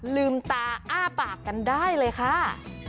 ลืมตาอ้าปากกันได้เลยค่ะ